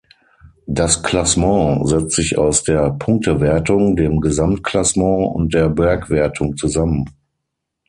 Das Klassement setzt sich aus der Punktewertung, dem Gesamtklassement und der Bergwertung zusammen.